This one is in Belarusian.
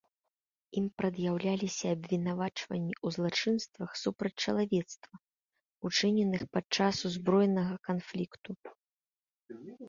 Ім прад'яўляліся абвінавачванні ў злачынствах супраць чалавецтва, учыненых падчас узброенага канфлікту.